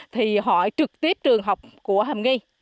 thì hỏi trực tiếp trường học của hàm nghi